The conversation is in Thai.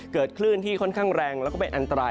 เกิดคลื่นที่ค่อนข้างแรงแล้วก็เป็นอันตราย